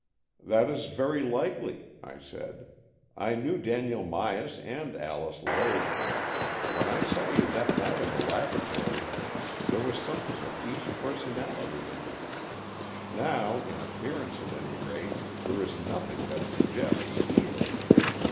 That is very likely," I said. " I knew Daniel Myas and Alice Lade. When I saw you that night in the laboratory, there was something of each personality in you. Now, in appearance at any rate, there is nothing that suggests either.